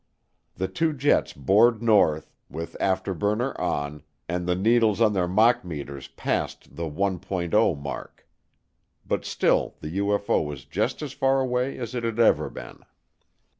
The two jets bored north, with afterburner on, and the needles on their machmeters passed the "1.0" mark. But still the UFO was just as far away as it had ever been.